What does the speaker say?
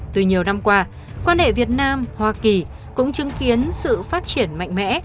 từ nhiều năm qua quan hệ việt nam hoa kỳ cũng chứng kiến sự phát triển mạnh mẽ